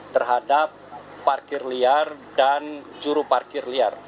terhadap parkir liar dan juru parkir liar